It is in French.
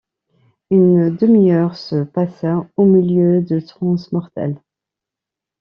Une demi-heure se passa au milieu de transes mortelles